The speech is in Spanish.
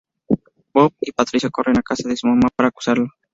Bob y Patricio corren a casa de su mamá para acusarlo.